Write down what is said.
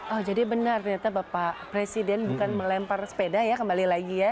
oh jadi benar ternyata bapak presiden bukan melempar sepeda ya kembali lagi ya